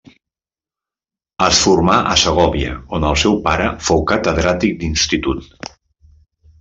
Es formà a Segòvia, on el seu pare fou catedràtic d'institut.